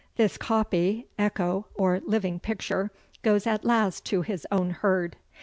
This copy, echo, or living picture, goes at last to his own herd.